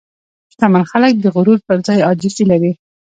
شتمن خلک د غرور پر ځای عاجزي لري.